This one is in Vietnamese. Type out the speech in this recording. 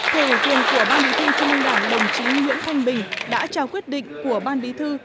thời ủy quyền của ban bí thư trung ương đảng đồng chí nguyễn thanh bình đã trao quyết định của ban bí thư